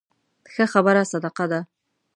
ښه خبره صدقه ده